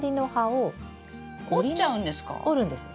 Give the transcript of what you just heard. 折っちゃうんですか？